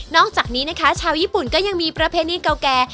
อกจากนี้นะคะชาวญี่ปุ่นก็ยังมีประเพณีเก่าแก่